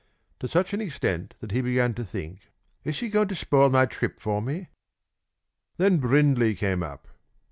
To such an extent that he began to think: "Is she going to spoil my trip for me?" Then Brindley came up.